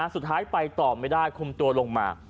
สุดท้ายไปต่อไม่ได้คุมตัวลงมา